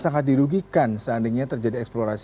sangat dirugikan seandainya terjadi eksplorasi